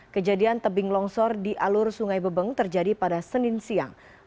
kejadian tebing longsor di alur sungai bebeng terjadi pada senin siang